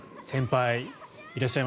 先輩